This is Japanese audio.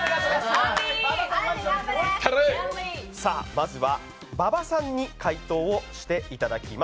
まずは馬場さんに解答していただきます。